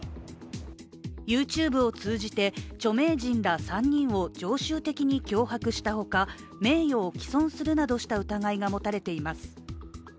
ＹｏｕＴｕｂｅを通じて著名人ら３人を常習的に脅迫したほか名誉を毀損するなどした疑いが持たれています。